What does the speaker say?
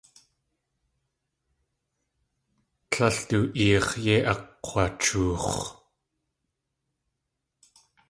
Tlél du eex̲ yei akg̲wachoox̲.